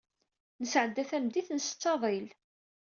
Nesɛedda tameddit, nsett aḍil.